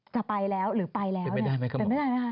จะไปแล้วหรือไปแล้วเป็นไม่ได้ไหมคะ